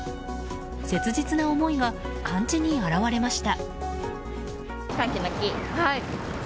切実な思いが漢字に表れました。